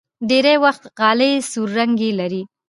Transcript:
ډېری وخت غالۍ سور رنګ لري.